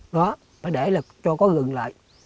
đó phải để là cho có rừng lại